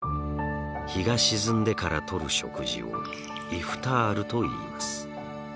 日が沈んでからとる食事をイフタールといいます。